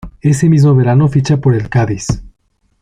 Ese mismo verano ficha por el Cádiz.